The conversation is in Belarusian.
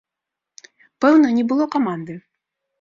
Пэўна, не было каманды.